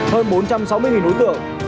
hơn bốn trăm sáu mươi ối tượng